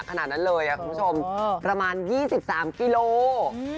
ขนาดนั้นเลยคุณผู้ชมประมาณ๒๓กิโล